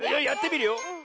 やってみるよ。